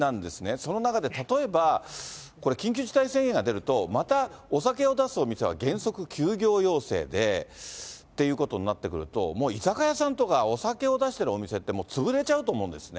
その中で例えばこれ、緊急事態宣言が出ると、またお酒を出すお店は原則休業要請でということになってくると、もう居酒屋さんとか、お酒を出してるお店って、潰れちゃうと思うんですね。